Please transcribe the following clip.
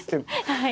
はい。